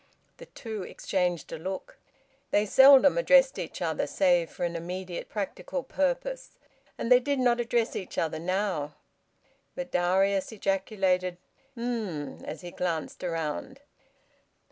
The two exchanged a look. They seldom addressed each other, save for an immediate practical purpose, and they did not address each other now. But Darius ejaculated "Um!" as he glanced around.